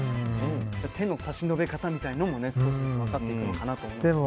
手の差し伸べ方みたいなものも分かってくるのかなと思います。